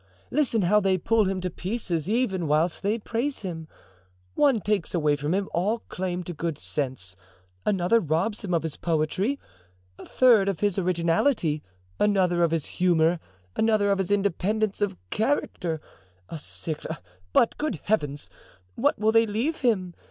Listen how they pull him to pieces even whilst they praise him; one takes away from him all claim to good sense, another robs him of his poetry, a third of his originality, another of his humor, another of his independence of character, a sixth—but, good heavens! what will they leave him?